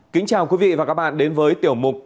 kính chào quý vị và các bạn đến với tiểu mục